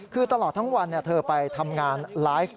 คือตลอดทั้งวันเธอไปทำงานไลฟ์